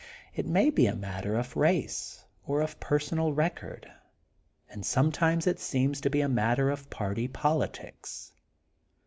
It may be a matter of race or of personal record. And sometimes it seems to be a matter of party politics.